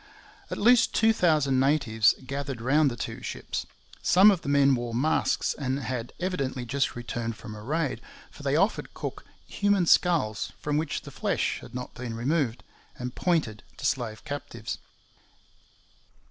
At least two thousand natives gathered round the two ships. Some of the men wore masks and had evidently just returned from a raid, for they offered Cook human skulls from which the flesh had not been removed, and pointed to slave captives.